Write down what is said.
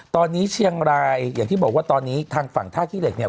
ตอนนี้เชียงรายอย่างที่บอกว่าตอนนี้ทางฝั่งท่าขี้เหล็กเนี่ย